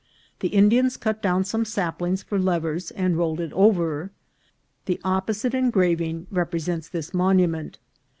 The Indians cut down some saplings for levers, and rolled it over. The oppo site engraving represents this monument.